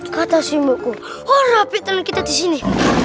kata si mbuku orang rapi tenang kita disini